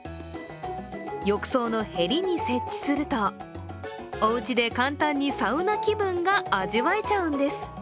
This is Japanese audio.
浴槽のへりに設置するとおうちで簡単にサウナ気分が味わえちゃうんです。